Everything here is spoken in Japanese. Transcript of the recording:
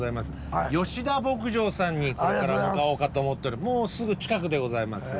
吉田牧場さんにこれから向かおうかと思ってもうすぐ近くでございます。